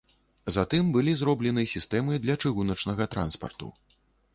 Затым былі зроблены сістэмы для чыгуначнага транспарту.